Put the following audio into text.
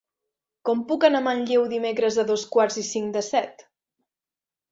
Com puc anar a Manlleu dimecres a dos quarts i cinc de set?